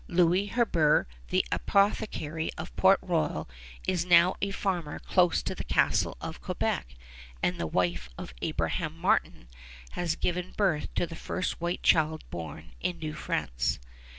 Louis Hebert, the apothecary of Port Royal, is now a farmer close to the Castle of Quebec; and the wife of Abraham Martin has given birth to the first white child born in New France.